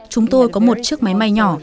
chúng tôi có một chiếc máy may nhỏ